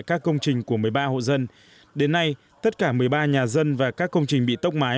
các công trình của một mươi ba hộ dân đến nay tất cả một mươi ba nhà dân và các công trình bị tốc mái